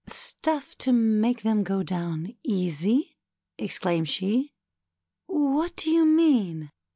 " Stuff to make them go down easy ?" exclaimed she. " What do you mean